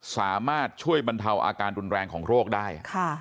สามารถช่วยบรรเทาอาการรุนแรงของโรคได้